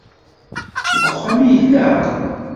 Deg uxxam i yella?